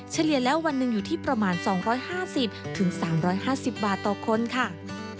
เฉลี่ยแล้ววันหนึ่งอยู่ที่ประมาณ๒๕๐๓๕๐บาทต่อคนค่ะ